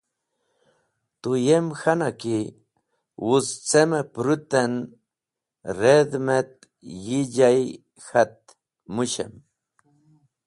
Tu yem k̃han a ki wuz cem-e pũrũt en redh’m et yi jay k̃hat mũshem?